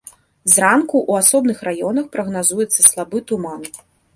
Зранку ў асобных раёнах прагназуецца слабы туман.